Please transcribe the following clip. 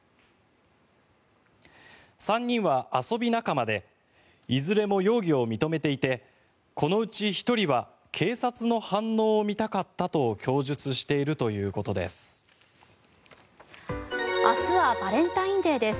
３人は遊び仲間でいずれも容疑を認めていてこのうち１人は警察の反応を見たかったと供述しているということです。